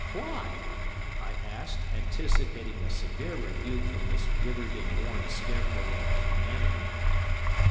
"Why?" I asked, anticipating a severe rebuke from this withered and worn scarecrow of humanity.